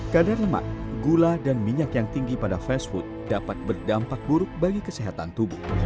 kadar lemak gula dan minyak yang tinggi pada fast food dapat berdampak buruk bagi kesehatan tubuh